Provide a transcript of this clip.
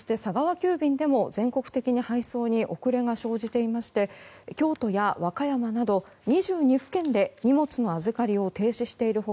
急便でも全国的に配送に遅れが生じていまして京都や和歌山など２２府県で荷物の預かりを停止している他